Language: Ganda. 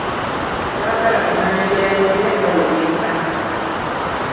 Tebaagala kumanya by'ayize nga we byenkana.